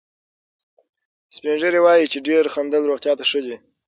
سپین ږیري وایي چې ډېر خندل روغتیا ته ښه دي.